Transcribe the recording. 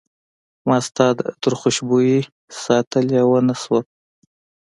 ما ستا د عطرو خوشبوي ساتلی ونه شوله